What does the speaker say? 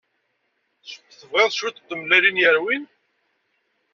Tebɣiḍ cwiṭ n tmellalin yerwin?